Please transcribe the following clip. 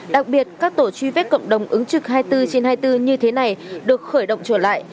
đặc biệt các tổ truy vết cộng đồng ứng trực hai mươi bốn trên hai mươi bốn như thế này được khởi động trở lại